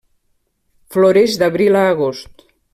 Floreix d'abril a agost.